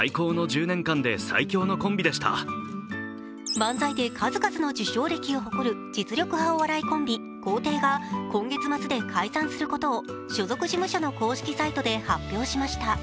漫才で数々の受賞歴を誇る実力派お笑いコンビ、コウテイが今月末で解散することを所属事務所の公式サイトで発表しました。